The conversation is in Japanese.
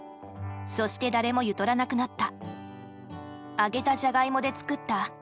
「そして誰もゆとらなくなった」。